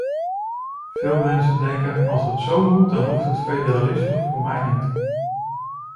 Veel mensen denken: als het zo moet dan hoeft het federalisme voor mij niet.